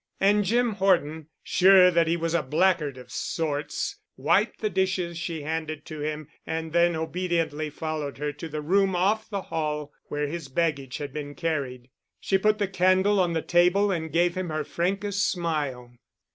And Jim Horton, sure that he was a blackguard of sorts, wiped the dishes she handed to him and then obediently followed her to the room off the hall where his baggage had been carried. She put the candle on the table and gave him her frankest smile.